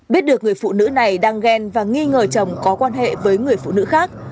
biết được người phụ nữ này đang ghen và nghi ngờ chồng có quan hệ với người phụ nữ khác